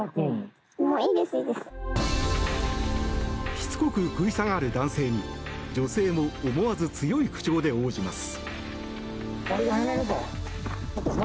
しつこく食い下がる男性に女性も思わず強い口調で応じます。